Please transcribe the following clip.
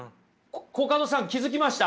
コカドさん気付きました？